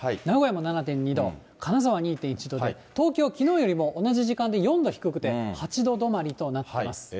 名古屋も７．２度、金沢２．１度で、東京、きのうよりも同じ時間で４度低くて、８度止まりとなってます。